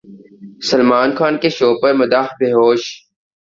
سلمان خان کے شو پر مداح بےہوش